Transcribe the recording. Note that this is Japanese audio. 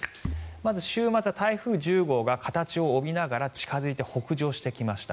まず、週末は台風１０号が形を帯びながら近付いて北上してきました。